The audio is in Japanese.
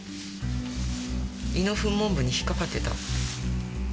胃の噴門部に引っ掛かってた。